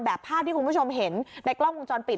ภาพที่คุณผู้ชมเห็นในกล้องวงจรปิด